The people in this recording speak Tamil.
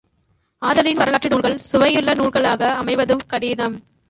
ஆதலின் வரலாற்று நூல்கள் சுவையுள்ள நூல்களாக அமைவது கடினம்.